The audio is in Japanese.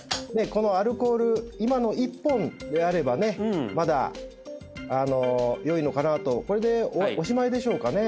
このアルコール今の１本であればねまだよいのかなとこれでおしまいでしょうかね？